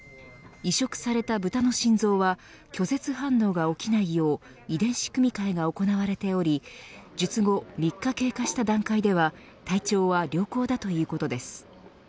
移植されたブタの心臓は拒絶反応が起きないよう遺伝子組み換えが行われており術後、３日が経過した段階では体調は良好だということです。